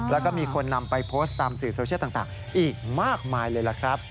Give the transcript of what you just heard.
แล้วก็มีคนนำไปโพสต์ตามสื่อโซเชียลต่างอีกมากมายเลยล่ะครับ